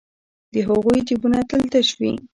د هغوی جېبونه تل تش وي